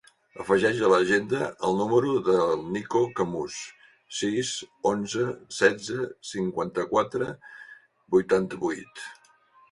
Afegeix a l'agenda el número del Niko Camus: sis, onze, setze, cinquanta-quatre, vuitanta-vuit.